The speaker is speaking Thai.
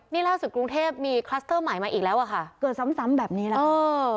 นี่ล่าสุดกรุงเทพมีคลัสเตอร์ใหม่มาอีกแล้วอะค่ะเกิดซ้ำแบบนี้แล้ว